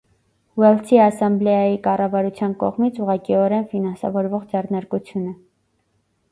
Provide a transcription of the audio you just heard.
Ուելսի ասամբլեայի կառավարության կողմից ուղղակիորեն ֆինանսավորվող ձեռնարկություն է։